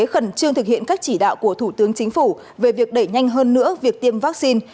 khẩn trương thực hiện các chỉ đạo của thủ tướng chính phủ về việc đẩy nhanh hơn nữa việc tiêm vaccine